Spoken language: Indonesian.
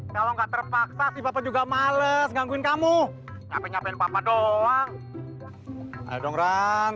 kalau nggak terpaksa sih papa juga males gangguin kamu nyapain papa doang dong rang